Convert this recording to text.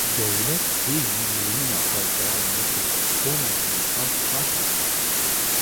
Dewlet hê jî nêrîna xwe zelal nekiriye, loma ev mijar paşve xistin